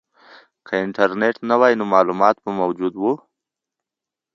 که انټرنیټ نه وای نو معلومات به محدود وو.